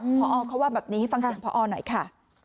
พออ้อเขาว่าแบบนี้ฟังกันภอออหน่อยค่ะ